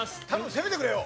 攻めてくれよ。